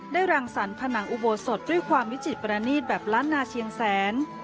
ได้รางสรรพนังอวโบสถด้วยความวิจิปรณีตแบบรั่นนาเที่ยงแสน